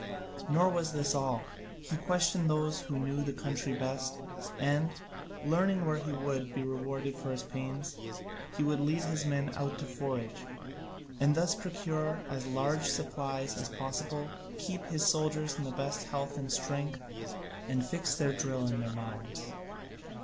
Nor was this all; he questioned those who knew the country best, and, learning where he would be rewarded for his pains, he would lead his men out to forage, and thus procure as large supplies as possible, keep his soldiers in the best of health and strength, and fix their drill in their minds.